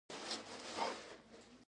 • عقربې د وخت ژبه ده.